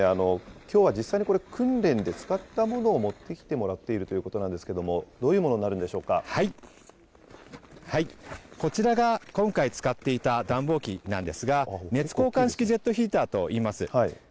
きょうは実際に訓練で使ったものをもってきてもらっているということなんですけども、どういうもこちらが今回使っていた暖房機なんですが、熱交換式ジェットヒーターといいます。